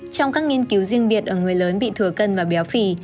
trong các nghiên cứu riêng biệt ở người lớn bị thừa cân và béo phì